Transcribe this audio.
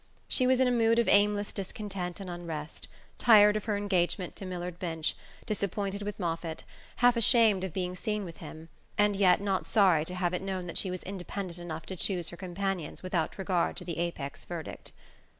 She was in a mood of aimless discontent and unrest, tired of her engagement to Millard Binch, disappointed with Moffatt, half ashamed of being seen with him, and yet not sorry to have it known that she was independent enough to choose her companions without regard to the Apex verdict.